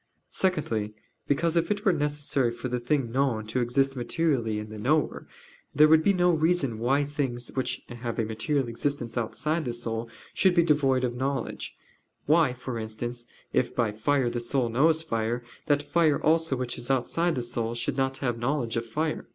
Secondly, because if it were necessary for the thing known to exist materially in the knower, there would be no reason why things which have a material existence outside the soul should be devoid of knowledge; why, for instance, if by fire the soul knows fire, that fire also which is outside the soul should not have knowledge of fire.